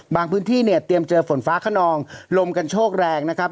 พื้นที่เนี่ยเตรียมเจอฝนฟ้าขนองลมกันโชคแรงนะครับ